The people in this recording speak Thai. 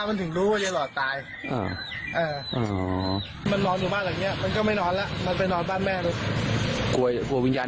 อยู่ตรงข้ามกับนี่เลยใช่ไหมหลังไหนชี้ไหน